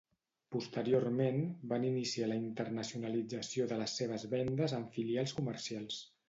Posteriorment, van iniciar la internacionalització de les seves vendes amb filials comercials.